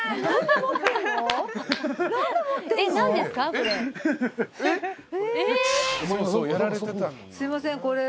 すいません。